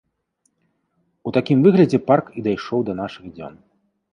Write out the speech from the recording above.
У такім выглядзе парк і дайшоў да нашых дзён.